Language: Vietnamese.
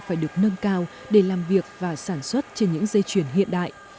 phải được nâng cao để làm việc và sản xuất trên những dây chuyền hiện đại